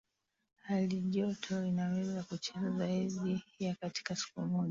halijoto inaweza kucheza zaidi ya katika siku moja